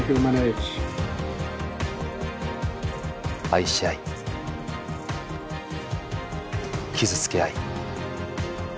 愛し合い傷つけ合い